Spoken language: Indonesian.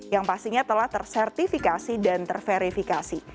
yang pastinya telah tersertifikasi dan terverifikasi